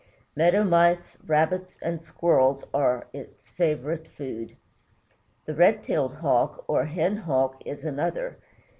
Meadow Mice, Rabbits, and Squirrels are its favorite food. The Red tailed Hawk, or Hen Hawk, is another."